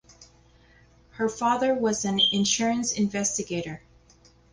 Her father was an insurance investigator.